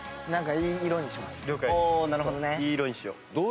いい色にしよう。